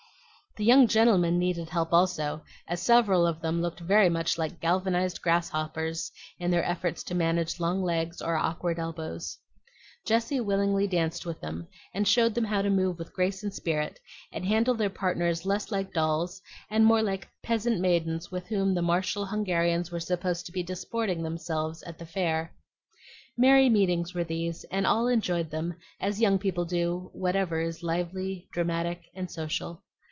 The young gentlemen needed help also, as several of them looked very much like galvanized grasshoppers in their efforts to manage long legs or awkward elbows. Jessie willingly danced with them, and showed them how to move with grace and spirit, and handle their partners less like dolls and more like peasant maidens with whom the martial Hungarians were supposed to be disporting themselves at the fair. Merry meetings were these; and all enjoyed them, as young people do whatever is lively, dramatic, and social.